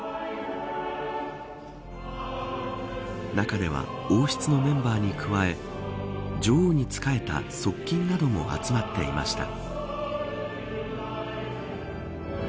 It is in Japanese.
中では、王室のメンバーに加え女王に仕えた側近なども集まっていました。